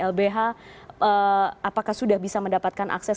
lbh apakah sudah bisa mendapatkan akses